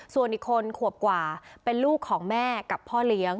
ส่วนอีกคนขวบกว่าเป็นลูกของแม่กับพ่อเลี้ยง